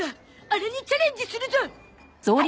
あれにチャレンジするゾ！